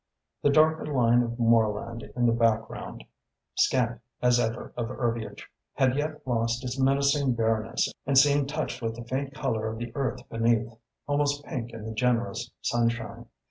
The darker line of moorland in the background, scant as ever of herbiage, had yet lost its menacing bareness and seemed touched with the faint colour of the earth beneath, almost pink in the generous sunshine.